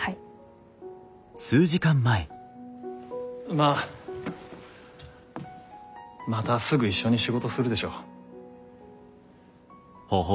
まあまたすぐ一緒に仕事するでしょう。